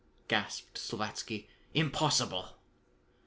gasped Slavatsky. "Impossible!"